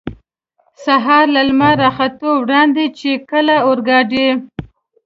سهار له لمر را ختو وړاندې، چې کله اورګاډی.